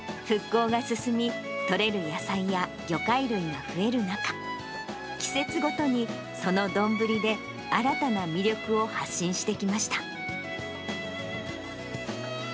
復興が進み、取れる野菜や魚介類が増える中、季節ごとにその丼で新たな魅力を発信してきました。